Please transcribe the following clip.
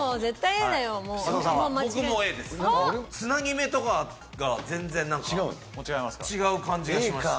つなぎ目とかが全然何か違う感じがしました。